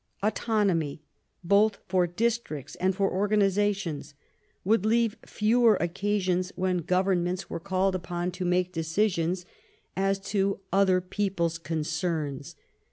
Autonomy, both for districts and for organizations, would leave fewer occasions when governments were called upon to make decisions as to other people's concerns.